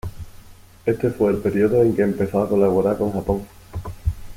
Este fue el periodo en que empezó a colaborar con Japón.